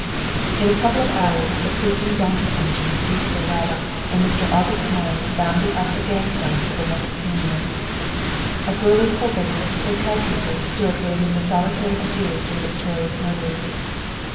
In a couple of hours the creaking donkey engines ceased their rattle, and Mr. August Meyer bounded up the gang plank of the "Mesopotamia." A burly Hoboken hotel keeper stood waving the solitary adieu to the victorious murderer.